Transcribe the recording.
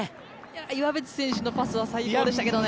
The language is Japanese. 岩渕選手のパスは最高でしたけどね。